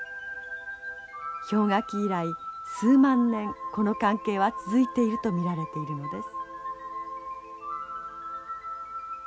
氷河期以来数万年この関係は続いていると見られているのです。